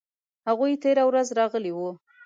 هغوی تیره ورځ راغلي وو